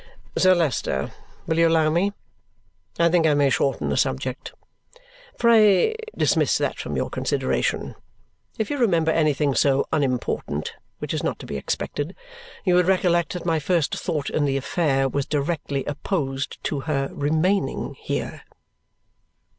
"Sir Leicester, will you allow me? I think I may shorten the subject. Pray dismiss that from your consideration. If you remember anything so unimportant which is not to be expected you would recollect that my first thought in the affair was directly opposed to her remaining here."